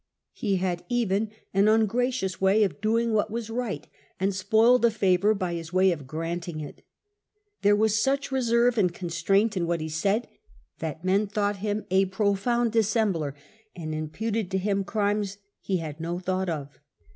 He had even an ungracious way of doing what was right, and spoiled a favour by his way of granting it. There was such reserve and constraint in what he said that men thought him a profound dissembler and imputed to him crimes he had no thought of.